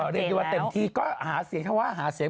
เรียกว่าเต็มที่ก็หาเสียง